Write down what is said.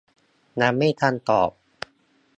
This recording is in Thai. ยังไม่ทันตอบ